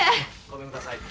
ごめんください。